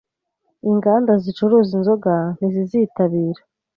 Inganda zicuruza inzoga ntizizitabira